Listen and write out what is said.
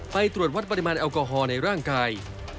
ตรวจวัดปริมาณแอลกอฮอล์ในร่างกาย